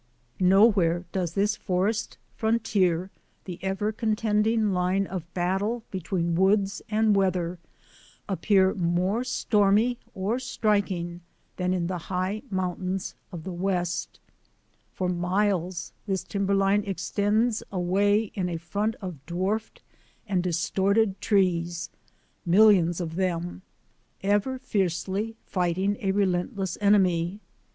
Nowhere does this forest frontier — the ever contending line of battle between woods and weather — appear more stormy or striking than in the high mountains of the West. For miles this timberline extends away in a front of dwarfed and distorted trees — millions of them — ever fiercely 68 THE ADVENTURES OF A NATURE GUIDE fighting a relentless enemy.